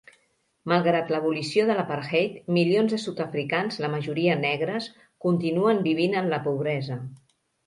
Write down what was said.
Malgrat l'abolició de l'apartheid, milions de sud-africans, la majoria negres, continuen vivint en la pobresa.